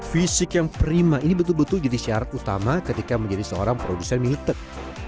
fisik yang prima ini betul betul jadi syarat utama ketika menjadi seorang produsen militer